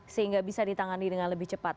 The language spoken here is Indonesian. sehingga bisa ditangani dengan lebih cepat